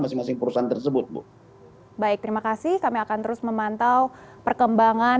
masing masing perusahaan tersebut bu baik terima kasih kami akan terus memantau perkembangan